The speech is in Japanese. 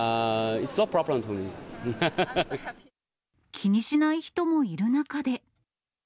気にしない人もいる中で。